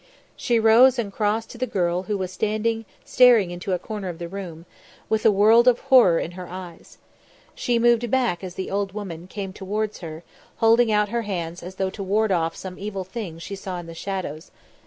She rose and crossed to the girl who was standing staring into a corner of the room, with a world of horror in her eyes. She moved back as the old woman, came towards her, holding out her hands as though to ward off some evil thing she saw in the shadows.